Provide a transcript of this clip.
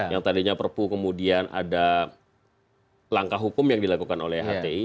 yang tadinya perpu kemudian ada langkah hukum yang dilakukan oleh hti